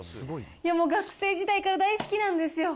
いやもう、学生時代から大好きなんですよ。